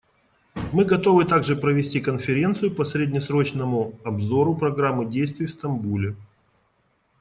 Мы готовы также провести конференцию по среднесрочному обзору Программы действий в Стамбуле.